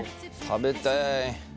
食べたい。